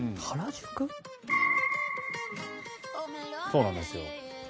そうなんですよ。